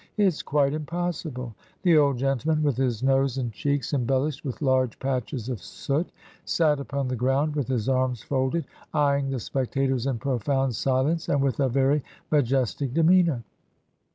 It's quite im possible.' ... The old gentleman, with his nose and cheeks embellished with large patches of soot, sat upon the ground with his arms folded, eying the spec tators in*profound silence, and with a very majestic de meanor.